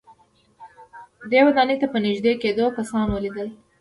دې ودانۍ ته په نږدې کېدلو کسان وليدل.